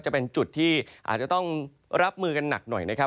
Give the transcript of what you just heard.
จะเป็นจุดที่อาจจะต้องรับมือกันหนักหน่อยนะครับ